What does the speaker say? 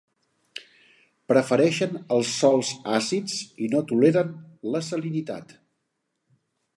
Prefereixen els sòls àcids i no toleren la salinitat.